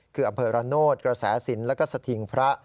คืออำเภอระโนธกระแสสินแล้วก็สถิงพระ